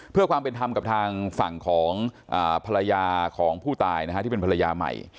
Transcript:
เพื่อความเป็นธรรมกับทางฝั่งของภรรยาของผู้ตายนะฮะที่เป็นภรรยาใหม่